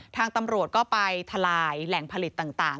ทางตำรวจก็ไปทลายแหล่งผลิตต่าง